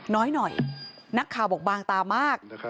น้อยนักข่าวบอกบางตามาก